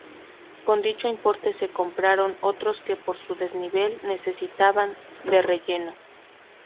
Con dicho importe se compraron otros que por su desnivel necesitaban de relleno.